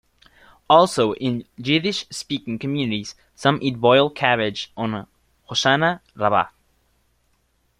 Also in Yiddish-speaking communities, some eat boiled cabbage on Hoshanah Rabbah.